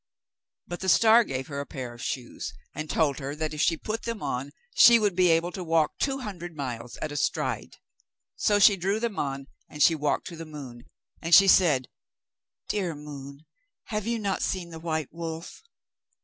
But the star gave her a pair of shoes, and told her that if she put them on she would be able to walk two hundred miles at a stride. So she drew them on, and she walked to the moon, and she said: 'Dear moon, have you not seen the white wolf?